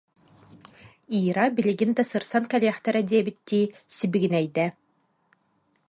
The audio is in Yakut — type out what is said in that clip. Ира билигин да сырсан кэлиэхтэрэ диэбиттии сибигинэйдэ